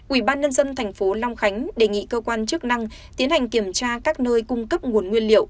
ubnd tp long khánh đề nghị cơ quan chức năng tiến hành kiểm tra các nơi cung cấp nguồn nguyên liệu